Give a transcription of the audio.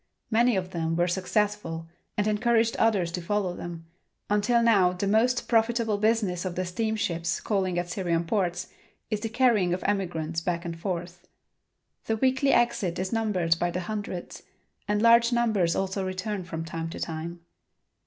Many of them were successful and encouraged others to follow them, until now the most profitable business of the steamships calling at Syrian ports is the carrying of emigrants back and forth. The weekly exit is numbered by the hundreds, and large numbers also return from time to time.